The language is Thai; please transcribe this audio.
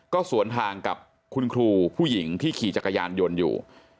ก็สวนทางกับคุณครูผู้หญิงที่ขี่จักรยานยนต์อยู่